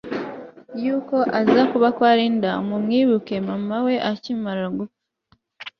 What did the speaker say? yuko aza kuba kwa Linda mu mwibuke mama we akimara gupfa